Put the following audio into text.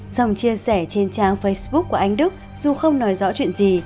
xong chia sẻ trên trang facebook của anh đức dù không nói rõ chuyện gì